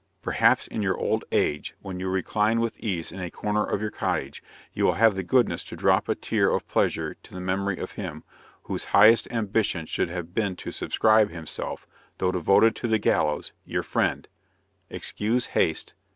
Perhaps in your old age, when you recline with ease in a corner of your cottage, you will have the goodness to drop a tear of pleasure to the memory of him, whose highest ambition should have been to subscribe himself, though devoted to the gallows, your friend, Excuse haste.